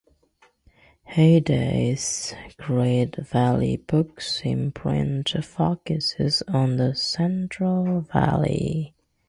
Heyday's Great Valley Books imprint focuses on the Central Valley.